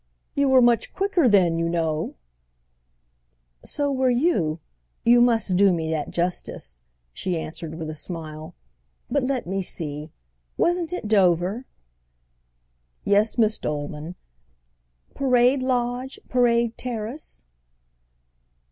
"You were much quicker then, you know!" "So were you—you must do me that justice," she answered with a smile. "But let me see. Wasn't it Dover?" "Yes, Miss Dolman—" "Parade Lodge, Parade Terrace?"